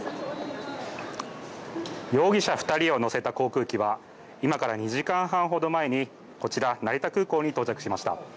容疑者２人を乗せた航空機は、今から２時間半ほど前に、こちら、成田空港に到着しました。